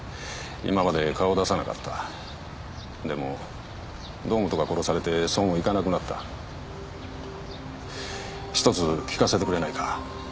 今まで顔を出さなかったでも堂本が殺されてそうもいかなくなった１つ聞かせてくれないか？